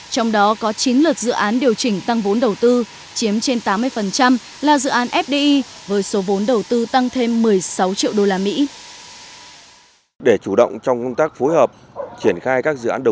trong đó có chín lượt dự án điều chỉnh tăng vốn đầu tư chiếm trên tám mươi là dự án fdi với số vốn đầu tư tăng thêm một mươi sáu triệu đô la mỹ